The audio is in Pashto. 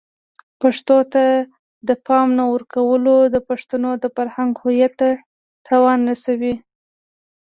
پښتو ته د پام نه ورکول د پښتنو د فرهنګی هویت ته تاوان رسوي.